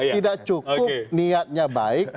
tidak cukup niatnya baik